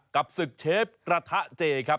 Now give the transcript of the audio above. กับศึกเชฟกระทะเจครับ